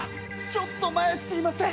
ちょっと前すいません。